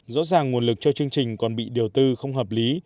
rõ ràng nguồn lực cho chương trình còn bị điều tư không hợp lý